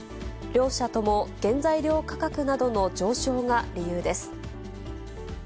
両社とも原材料価格などの上昇が理由です。